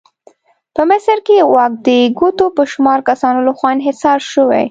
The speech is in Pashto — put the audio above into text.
په مصر کې واک د ګوتو په شمار کسانو لخوا انحصار شوی.